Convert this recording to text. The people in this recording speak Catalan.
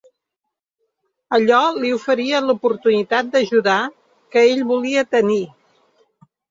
Allò li oferia l’oportunitat d’ajudar que ell volia tenir.